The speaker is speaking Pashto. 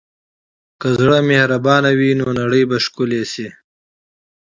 که زړه مهربان وي، نو نړۍ به ښکلې شي.